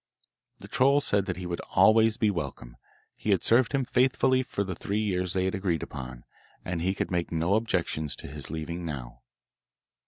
The troll said that he would always be welcome; he had served him faithfully for the three years they had agreed upon, and he could make no objections to his leaving now.